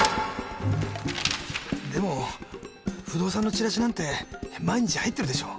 でも不動産のチラシなんて毎日入ってるでしょ？